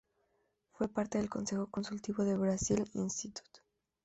Fue parte del Consejo Consultivo de Brazil Institute.